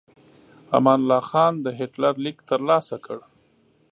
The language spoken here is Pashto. امان الله خان د هیټلر لیک ترلاسه کړ.